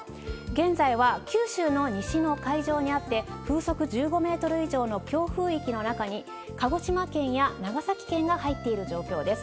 現在は九州の西の海上にあって、風速１５メートル以上の強風域の中に、鹿児島県や長崎県が入っている状況です。